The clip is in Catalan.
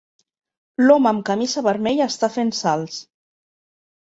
L'home amb camisa vermella està fent salts.